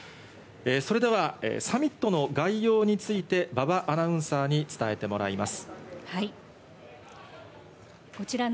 それではサミットの概要について、馬場アナウンサーに伝えてもらいます。